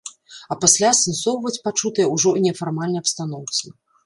А пасля асэнсоўваць пачутае ўжо ў нефармальнай абстаноўцы.